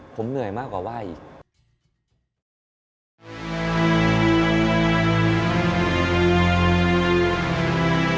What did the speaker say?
ผมเหนื่อยมากกว่าไหว้อีก